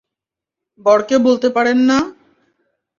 বরকে বলতে পারেন না?